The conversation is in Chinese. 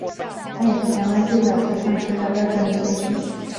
他也是台湾最早提倡食疗药膳的先驱。